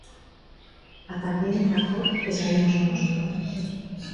Ata que entra a cor e saímos nós.